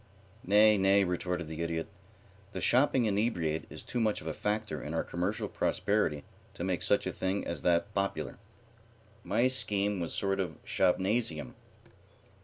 "Nay, nay," retorted the Idiot. "The shopping inebriate is too much of a factor in our commercial prosperity to make such a thing as that popular. My scheme was a sort of shopnasium."